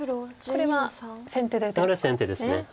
これ先手です。